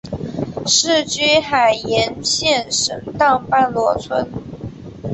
世居海盐县沈荡半逻村。